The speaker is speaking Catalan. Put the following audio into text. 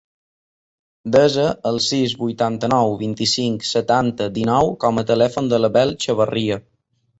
Desa el sis, vuitanta-nou, vint-i-cinc, setanta, dinou com a telèfon de l'Abel Chavarria.